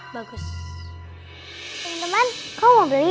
bagus teman teman kau mau beli